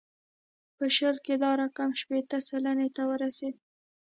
په شل کې دا رقم شپېته سلنې ته رسېده.